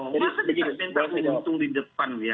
masa dikatakan keuntungan di depan ya